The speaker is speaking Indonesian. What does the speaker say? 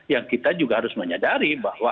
yang kita juga harus menyadari bahwa